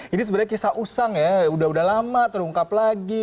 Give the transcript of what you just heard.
ini sebenarnya kisah usang ya sudah lama terungkap lagi